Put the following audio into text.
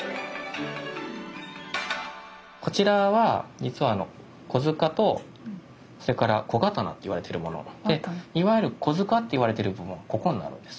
こちらは実は小柄とそれから小刀といわれてるものでいわゆる小柄っていわれてる部分ここになるんです。